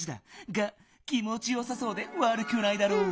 が気もちよさそうでわるくないだろう。